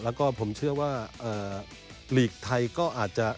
แล้วก็ผมเชื่อว่าลีกไทยก็อาจจะ